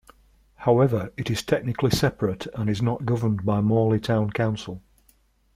However, it is technically separate, and is not governed by Morley Town Council.